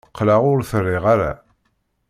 Qqleɣ ur t-riɣ ara.